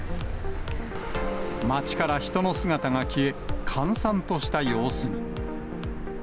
街から人の姿が消え、閑散とした様子に。